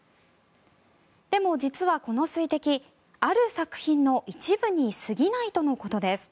でも実は、この水滴ある作品の一部に過ぎないとのことです。